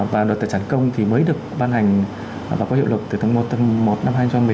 và luật tài sản công thì mới được ban hành và có hiệu lực từ tháng một năm hai nghìn một mươi tám